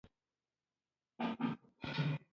جانداد د مېوند په څېر رښتینی دی.